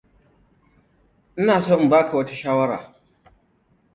Ina so in ba ka wata shawara.